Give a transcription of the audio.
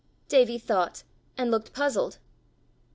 Davie thought, and looked puzzled.